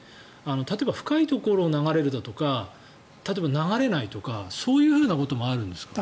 例えば深いところを流れるだとか例えば、流れないとかそういうこともあるんですか。